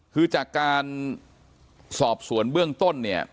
คือจากการสอบสวนเบื้องต้นเนี่ย